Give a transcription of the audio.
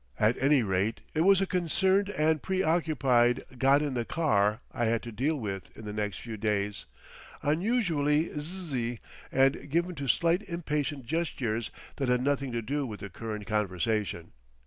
At any rate it was a concerned and preoccupied "God in the Car" I had to deal with in the next few days, unusually Zzzz y and given to slight impatient gestures that had nothing to do with the current conversation.